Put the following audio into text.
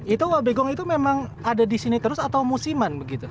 itu wobegong itu memang ada di sini terus atau musiman